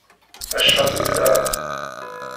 Acḥal yelha!